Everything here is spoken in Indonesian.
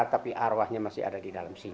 tapi arwahnya masih ada di dalam sini